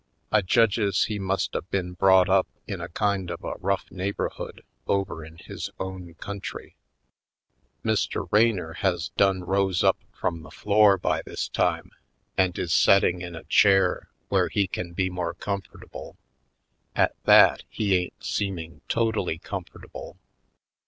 I judges he must a been brought up in a kind of a rough neighborhood over in his own country. Mr. Raynor has done rose up from the 248 /. Poindexterj Colored floor by this time, and is setting in a chair where he can be more comfortable ; at that, he ain't seeming totally comfortable.